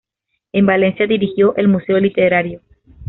En Valencia dirigió "El Museo Literario".